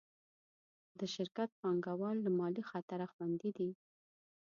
د شرکت پانګهوال له مالي خطره خوندي دي.